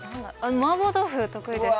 麻婆豆腐得意です。